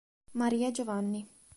Maria e Giovanni.